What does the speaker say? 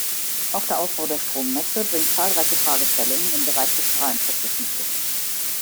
Auch der Ausbau der Stromnetze bringt zahlreiche Fragestellungen im Bereich des Strahlenschutzes mit sich.